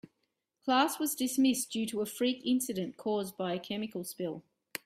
Class was dismissed due to a freak incident caused by a chemical spill.